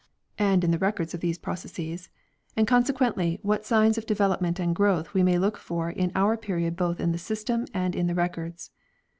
294 FINANCIAL RECORDS in the records of these processes) and consequently what signs of development and growth we may look for in our period both in the System and in the Records.